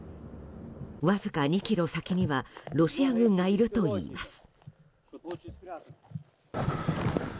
わずか２ｋｍ先にはロシア軍がいるといいます。